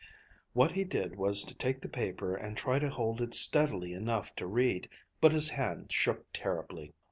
What he did was to take the paper and try to hold it steadily enough to read. But his hand shook terribly.